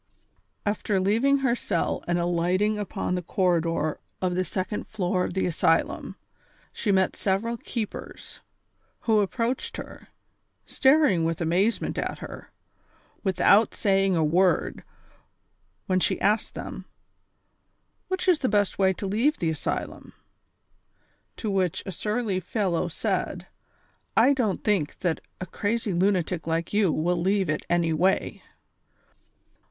After leaving her cell and alighting upon the corridor of the second floor of the asylum, she met several keepers, who approached her, staring with amazement at her, with out saying a word, when she asked them :'■ Which is the best way to leave the asylum V '' To which a surly fellow said: "I don't thmk that a crazy lunatic like you will leave it any way."